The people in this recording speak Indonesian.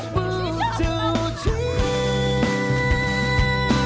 biar aku dengar